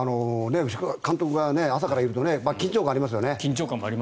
監督が朝からいると緊張感がありますよね。